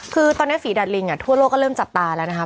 คือตอนนี้ฝีดาดลิงทั่วโลกก็เริ่มจับตาแล้วนะคะ